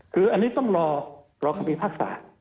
คืออันนี้ต้องรอคำพิพากษา